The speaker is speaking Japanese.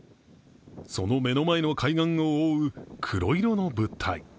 その目の前に海岸を覆う黒色の物体。